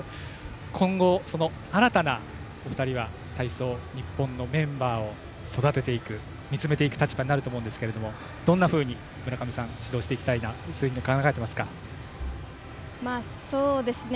お二人は今後、新たな体操日本のメンバーを育てていく見つめていく立場になると思うんですがどんなふうに村上さん指導していきたいなとそういうふうに考えていますか？